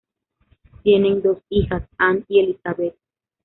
Tienen dos hijas, Ann y Elizabeth.